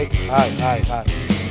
nggak ada harga di sini